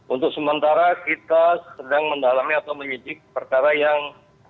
untuk sementara kita sedang mendalami atau menyidik perkara yang